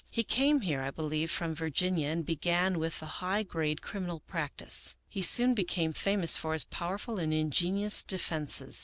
He came here, I believe, from Virginia and began with the high grade criminal practice. He soon be came famous for his powerful and ingenious defenses.